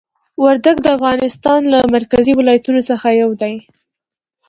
وردګ د افغانستان له مرکزي ولایتونو څخه یو دی.